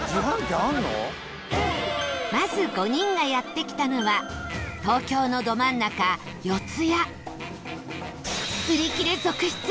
まず、５人がやって来たのは東京のど真ん中、四谷売り切れ続出！